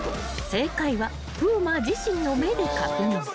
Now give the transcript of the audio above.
［正解は風磨自身の目で確認］